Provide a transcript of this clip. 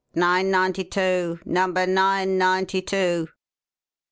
Nine ninety two. Num bah Nine ninety two!"